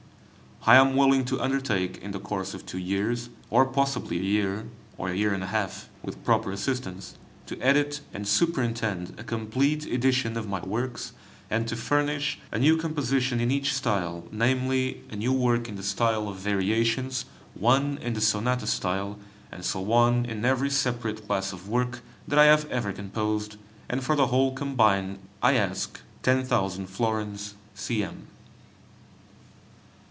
I am willing to undertake, in the course of two years, or possibly a year, or a year and a half, with proper assistance, to edit and superintend a complete edition of my works, and to furnish a new composition in each style; namely, a new work in the style of variations, one in the sonata style, and so on in every separate class of work that I have ever composed, and for the whole combined I ask 10,000 florins C.M.